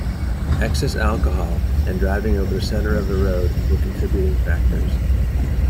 Excess alcohol and driving over the centre of the road were contributing factors.